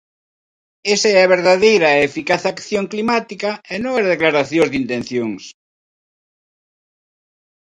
Esa é a verdadeira e eficaz acción climática e non as declaracións de intencións.